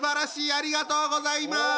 ありがとうございます！